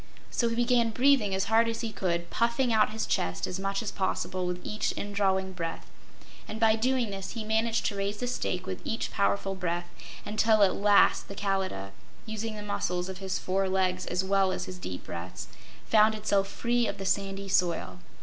So he began breathing as hard as he could, puffing out his chest as much as possible with each indrawing breath, and by doing this he managed to raise the stake with each powerful breath, until at last the Kalidah using the muscles of his four legs as well as his deep breaths found itself free of the sandy soil.